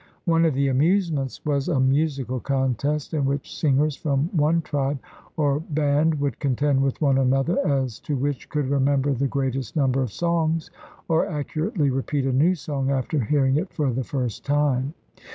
One of the amusements was a musical contest in which singers from one tribe or band would contend with one another as to which could remember the greatest number of songs or accurately repeat a new song after hearing it for the first time.